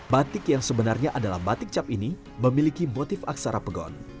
batik yang sebenarnya adalah batik cap ini memiliki motif aksara pegon